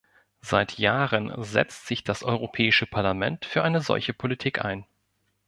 Seit Jahren setzt sich das Europäische Parlament für eine solche Politik ein.